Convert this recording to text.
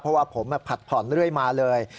เพราะว่าผมผัดผ่อนเรื่อยมาเลย